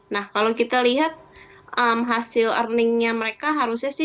nah kalau kita lihat hasil earningnya mereka harusnya sih